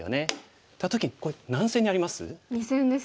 た時にこれ何線にあります？